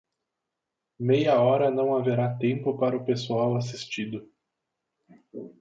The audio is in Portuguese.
Meia hora não haverá tempo para o pessoal assistido.